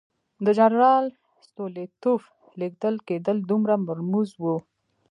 د جنرال ستولیتوف لېږل کېدل دومره مرموز وو.